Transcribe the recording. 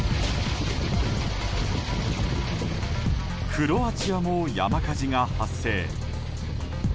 クロアチアも山火事が発生。